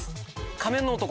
『仮面の男』。